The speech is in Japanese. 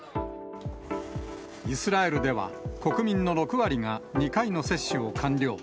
イスラエルでは、国民の６割が２回の接種を完了。